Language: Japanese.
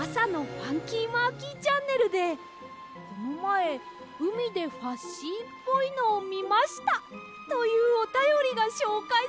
「ファンキーマーキーチャンネル」で「このまえうみでファッシーっぽいのをみました」というおたよりがしょうかいされて。